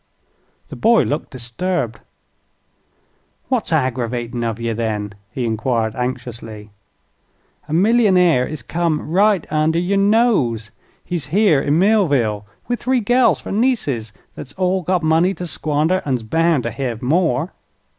The boy looked disturbed. "What's aggrivatin' of ye, then?" he enquired, anxiously. "A millionaire is come right under yer nose. He's here in Millville, with three gals fer nieces thet's all got money to squander an's bound to hev more."